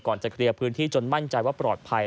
จะเคลียร์พื้นที่จนมั่นใจว่าปลอดภัย